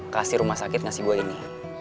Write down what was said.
kasih rumah sakit ngasih gue ini